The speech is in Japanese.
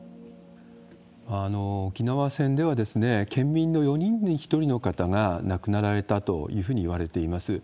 沖縄戦では、県民の４人に１人の方が亡くなられたというふうにいわれています。